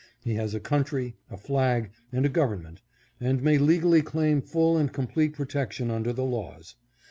He has a country, a flag, and a government, and may legally claim full and complete protection under the laws.